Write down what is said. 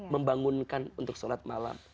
dan berikan untuk sholat malam